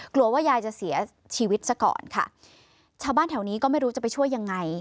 กลัวว่ายายจะเสียชีวิตซะก่อนค่ะชาวบ้านแถวนี้ก็ไม่รู้จะไปช่วยยังไง